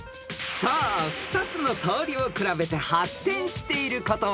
［さあ２つの通りを比べて発展していることは？］